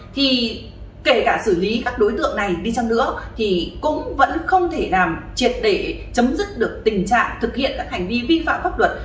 thì kể cả xử lý các đối tượng này đi chăng nữa thì cũng vẫn không thể làm triệt để chấm dứt được tình trạng thực hiện các hành vi vi phạm pháp luật